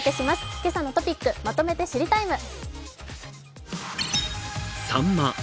「けさのトピックまとめて知りＴＩＭＥ，」。